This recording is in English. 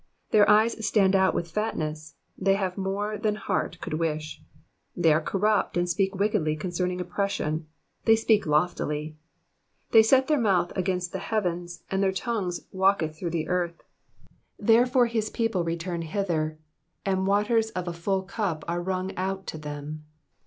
7 Their eyes stand out with fatness : they have more than heart could wish. 8 They are corrupt, and speak wickedly concer^iing oppression : they speak loftily. 9 They set their mouth against the heavens, and their tongue walketh through the earth. 10 Therefore his people return hither : and waters of a full cup are wrung out to them.